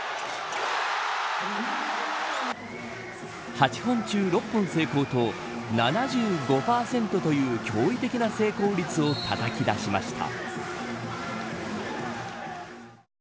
８本中６本成功と７５％という驚異的な成功率をたたき出しました。